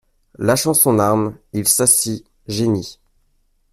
Lâchant son arme, il s'assit, geignit.